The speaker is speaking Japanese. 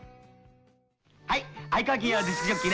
はい愛川欽也ディスクジョッキーね。